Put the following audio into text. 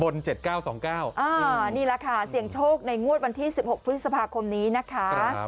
นี่แหละค่ะเสี่ยงโชคในงวดวันที่๑๖พฤษภาคมนี้นะคะ